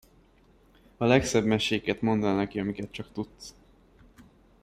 A legszebb meséket mondd el neki, amiket csak tudsz.